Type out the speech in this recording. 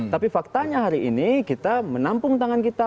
tapi faktanya hari ini kita menampung tangan kita